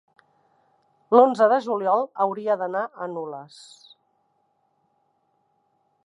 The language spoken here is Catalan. L'onze de juliol hauria d'anar a Nules.